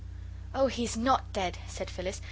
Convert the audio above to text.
"Oh, he's NOT dead," said Phyllis.